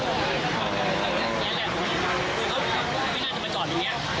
นี่แหละผมไม่น่าจะมาจอดอย่างนี้